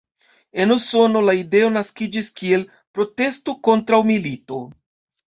En Usono la ideo naskiĝis kiel protesto kontraŭ milito.